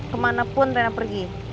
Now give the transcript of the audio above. kemanapun reina pergi